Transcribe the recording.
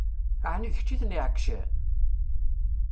Ɛni d kečč i ten-iɛeggcen?